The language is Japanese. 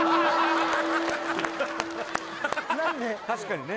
確かにね